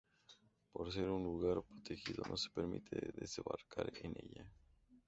Por ser un lugar protegido no se permite desembarcar en ella.